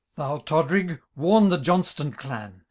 Thou, Todrig, warn the Johnstone clan.